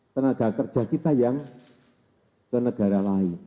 tenaga kerja kita yang ke negara lain